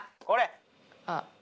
これ！